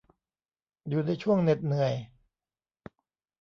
อยู่ในช่วงเหน็ดเหนื่อย